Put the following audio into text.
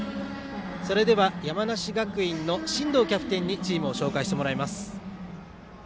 それでは山梨学院の進藤キャプテンにチームを紹介してもらいます。